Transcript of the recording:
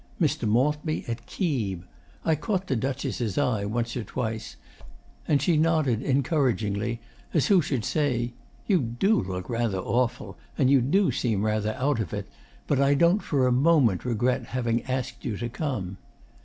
Mr. Maltby at Keeb. I caught the Duchess' eye once or twice, and she nodded encouragingly, as who should say "You do look rather awful, and you do seem rather out of it, but I don't for a moment regret having asked you to come."